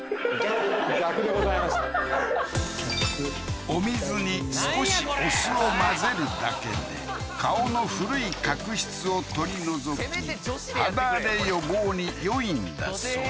逆でございましたお水に少しお酢を混ぜるだけで顔の古い角質を取り除き肌荒れ予防に良いんだそう